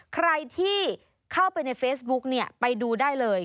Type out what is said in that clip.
ใครที่เข้าไปในเฟซบุ๊กเนี่ยไปดูได้เลย